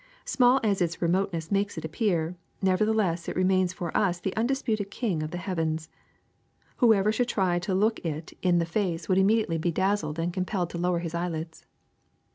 Small as its remoteness makes it appear, nevertheless it remains for us the undisputed king of the heavens. Whoever should try to look it in 380 THE SECRET OF EVERYDAY THINGS the face would immediately be dazzled and compelled to lower his eyelids.